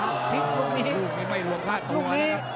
กาดเกมสีแดงเดินแบ่งมูธรุด้วย